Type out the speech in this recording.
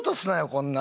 こんな。